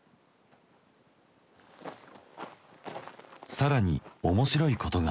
更に面白いことが。